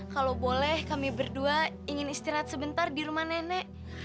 kalau boleh kami berdua ingin istirahat sebentar di rumah nenek